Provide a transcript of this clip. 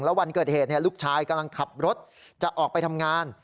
แล้ววันเกิดเหตุลูกชายกำลังขับรถจะออกไปทำงาน